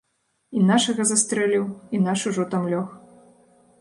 І нашага застрэліў, і наш ужо там лёг.